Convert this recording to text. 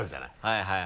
はいはい。